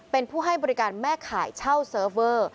เป็นผู้ให้บริการแม่ข่ายเช่าเซิร์ฟเวอร์